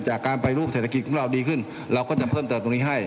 การปฏิรูปเศรษฐกิจของเราดีขึ้นเราก็จะเพิ่มเติมตรงนี้ให้